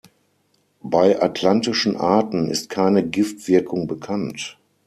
Bei atlantischen Arten ist keine Giftwirkung bekannt.